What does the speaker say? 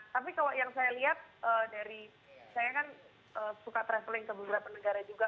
tapi kalau yang saya lihat dari saya kan suka traveling ke beberapa negara juga